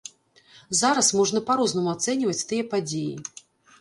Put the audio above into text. Зараз можна па-рознаму ацэньваць тыя падзеі.